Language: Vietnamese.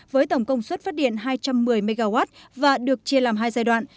với tổng công suất phát điện hai trăm một mươi mw và được chia làm hai giai đoạn